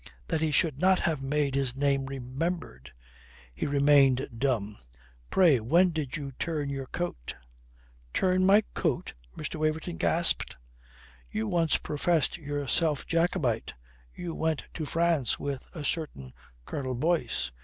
That he should not have made his name remembered! He remained dumb. "Pray when did you turn your coat?" "Turn my coat?" Mr. Waverton gasped. "You once professed yourself Jacobite. You went to France with a certain Colonel Boyce.